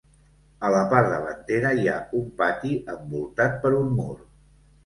A la part davantera hi ha un pati envoltat per un mur.